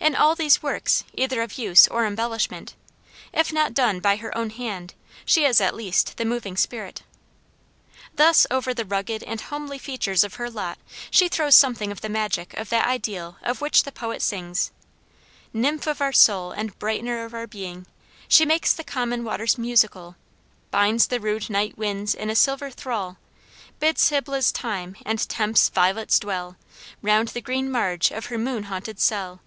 In all these works, either of use or embellishment, if not done by her own hand she is at least the moving spirit. Thus over the rugged and homely features of her lot she throws something of the magic of that ideal of which the poet sings: "Nymph of our soul and brightener of our being She makes the common waters musical Binds the rude night winds in a silver thrall, Bids Hybla's thyme and Tempe's violet dwell Round the green marge of her moon haunted cell."